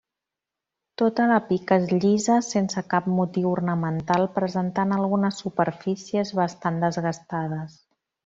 Tota la pica és llisa sense cap motiu ornamental presentant algunes superfícies bastant desgastades.